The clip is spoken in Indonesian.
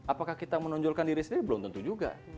apakah kita menonjolkan diri sendiri belum tentu juga